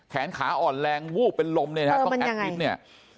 แขนขาอ่อนแรงวูบเป็นลมเนี่ยนะฮะต้องแอดมิตรเนี่ย